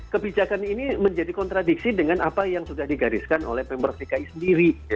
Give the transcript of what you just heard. kebijakan ini menjadi kontradiksi dengan apa yang sudah digariskan oleh pemprov dki sendiri